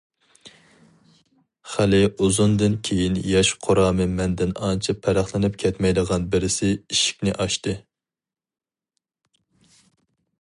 خېلى ئۇزۇندىن كېيىن ياش قۇرامى مەندىن ئانچە پەرقلىنىپ كەتمەيدىغان بىرسى ئىشىكنى ئاچتى.